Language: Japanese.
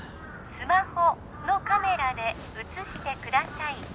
スマホのカメラで写してください